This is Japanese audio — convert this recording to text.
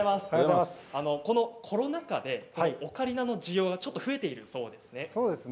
コロナ禍でオカリナの需要が増えているそうですね。